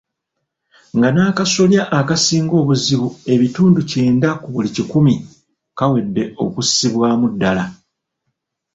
Nga n'akasolya akasinga obuzibu ebitundu kyenda ku buli kikumi kawedde okussibwamu Ddaali